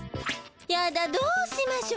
やだどうしましょ。